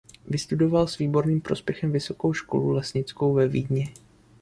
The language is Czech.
Vystudoval s výborným prospěchem Vysokou školu lesnickou ve Vídni.